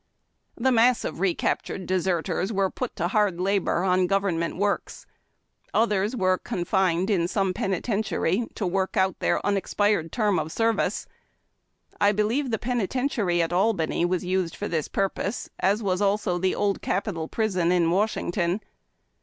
The mass of recaptured deserters were put to hard labor on government works. Others were confined in some peni tentiary, to work out their unex[)ired term of service. I be lieve the penitentiary at Albany was used for this purpose, as was also the Old Capitol Prison in Washington.